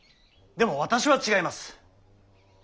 でも私は違います。